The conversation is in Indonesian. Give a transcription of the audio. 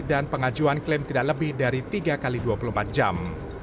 dan pengajuan klaim tidak lebih dari tiga x dua puluh empat jam